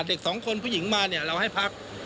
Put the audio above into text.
เด็กสองคนผู้หญิงมาเนี่ยเราให้พัก